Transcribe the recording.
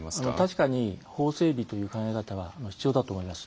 確かに法整備という考え方は必要だと思います。